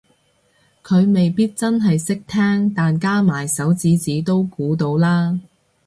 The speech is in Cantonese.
佢未必真係識聽但加埋手指指都估到啦